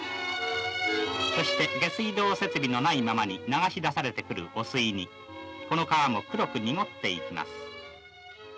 そして下水道設備のないままに流しされる汚水にこの川も黒く濁っていきます。